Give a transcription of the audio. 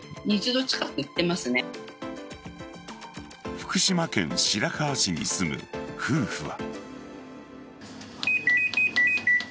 福島県白河市に住む夫婦は。